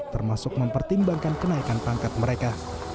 termasuk mempertimbangkan kenaikan pangkat mereka